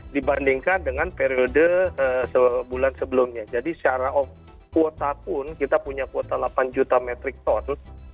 dibandingkan dengan periode sebulan sebelumnya jadi secara kuota pun kita punya kuota delapan juta metrik ton